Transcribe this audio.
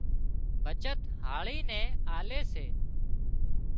بچت هاۯي نين آلي سي